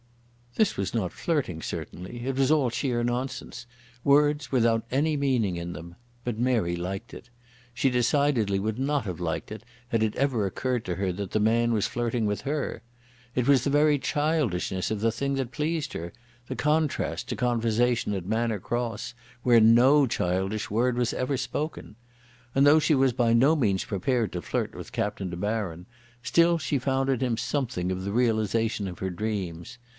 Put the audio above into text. This was not flirting certainly. It was all sheer nonsense, words without any meaning in them. But Mary liked it. She decidedly would not have liked it had it ever occurred to her that the man was flirting with her. It was the very childishness of the thing that pleased her, the contrast to conversation at Manor Cross, where no childish word was ever spoken. And though she was by no means prepared to flirt with Captain De Baron, still she found in him something of the realisation of her dreams.